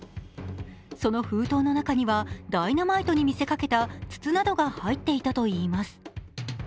その封筒の中にはダイナマイトに見せかけた筒などが入っていたといいます。